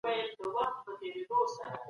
پرمختګ له خپلو ځانګړو پړاوونو تيريږي.